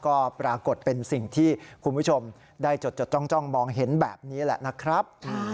ก็ปรากฏเป็นสิ่งที่คุณผู้ชมได้จดจ้องมองเห็นแบบนี้แหละนะครับ